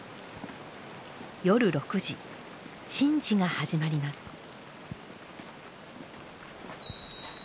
夜６時神事が始まります。